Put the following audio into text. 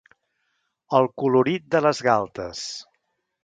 El colorit de les galtes.